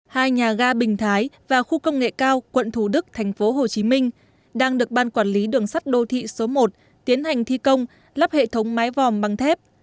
hai nhà ga bình thái và khu công nghệ cao quận thủ đức tp hcm đang được ban quản lý đường sắt đô thị số một tiến hành thi công lắp hệ thống mái vòm bằng thép